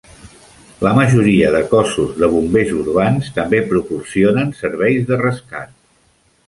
La majoria de cossos de bombers urbans també proporcionen serveis de rescat.